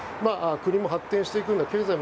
国も経済も発展していくんだ